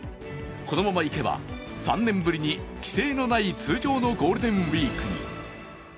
このままいけば３年ぶりに規制のない通常のゴールデンウイークに。